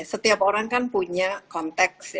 setiap orang kan punya konteks